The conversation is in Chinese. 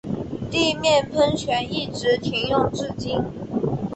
地面喷泉一直停用至今。